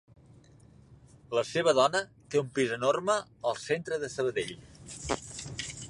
La seva dona té un pis enorme al centre de Sabadell.